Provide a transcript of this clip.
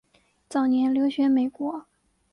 早年留学美国。